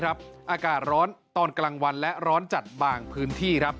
อากาศร้อนตอนกลางวันและร้อนจัดบางพื้นที่